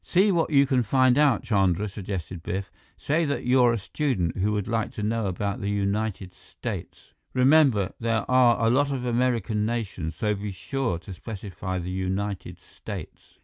"See what you can find out, Chandra," suggested Biff. "Say that you're a student who would like to know about the United States. Remember, there are a lot of American nations, so be sure to specify the United States.